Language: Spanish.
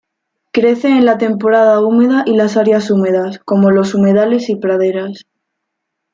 Crece en la temporada húmeda y las áreas húmedas, como los humedales y praderas.